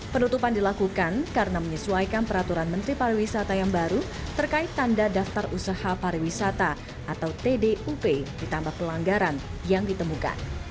penutupan dilakukan karena menyesuaikan peraturan menteri pariwisata yang baru terkait tanda daftar usaha pariwisata atau tdup ditambah pelanggaran yang ditemukan